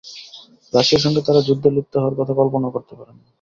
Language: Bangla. রাশিয়ার সঙ্গে তাঁরা যুদ্ধে লিপ্ত হওয়ার কথা কল্পনাও করতে পারেন না।